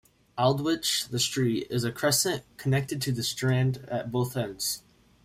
Aldwych, the street, is a crescent, connected to the Strand at both ends.